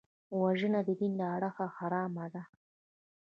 وژنه د دین له اړخه حرامه ده